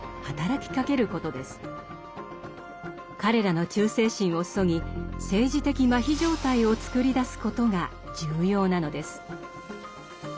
彼らの忠誠心をそぎ政治的麻痺状態をつくり出すことが重要なのです。